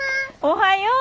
おはよう。